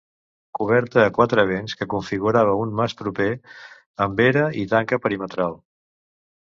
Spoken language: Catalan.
Coberta a quatre vents que configurava un mas proper, amb era i tanca perimetral.